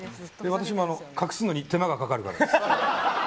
私も隠すのに手間がかかるからです。